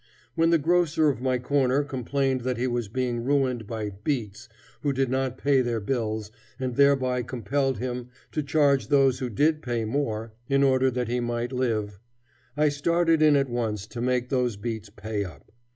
When the grocer on my corner complained that he was being ruined by "beats" who did not pay their bills and thereby compelled him to charge those who did pay more, in order that he might live, I started in at once to make those beats pay up.